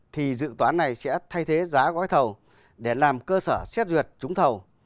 thì dự toán này sẽ thay thế giá gói thầu để làm cơ sở xét duyệt trúng thầu